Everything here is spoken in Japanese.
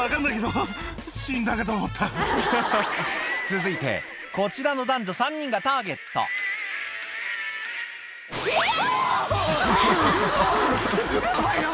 続いてこちらの男女３人がターゲット嫌！